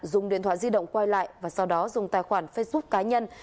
dùng điện thoại di động quay lại và sau đó dùng tài khoản facebook cá nhân